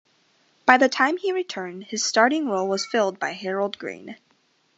By the time he returned, his starting role was filled by Harold Green.